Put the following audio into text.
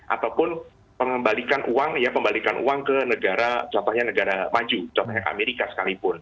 ataupun pengembalikan uang ya pembalikan uang ke negara contohnya negara maju contohnya amerika sekalipun